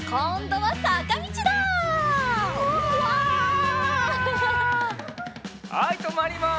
はいとまります。